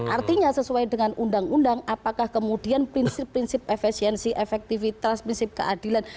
artinya sesuai dengan undang undang apakah kemudian prinsip prinsip efesiensi efektivitas prinsip keadilan